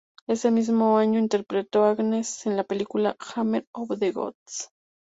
Ese mismo año interpretó a Agnes en la película "Hammer of the Gods".